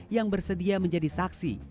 yang bersedia menjadi saksi